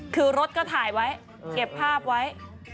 คือรถก็ถ่ายไว้เก็บภาพไว้